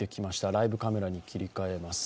ライブカメラに切り替えます。